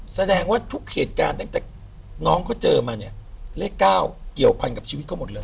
แสดงว่าทุกเหตุการณ์ตั้งแต่น้องเขาเจอมาเนี่ยเลข๙เกี่ยวพันกับชีวิตเขาหมดเลย